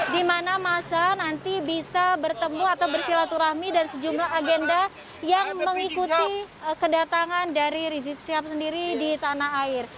di mana masa nanti bisa bertemu atau bersilaturahmi dan sejumlah agenda yang mengikuti kedatangan dari rizik sihab sendiri di tanah air